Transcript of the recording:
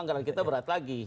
karena kita berat lagi